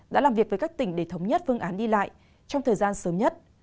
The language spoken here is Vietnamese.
đã làm việc với các tỉnh để thống nhất phương án đi lại trong thời gian sớm nhất